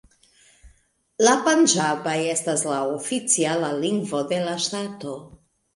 La panĝaba estas la oficiala lingvo de la ŝtato.